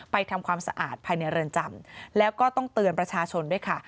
ทำความสะอาดภายในเรือนจำแล้วก็ต้องเตือนประชาชนด้วยค่ะ